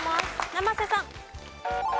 生瀬さん。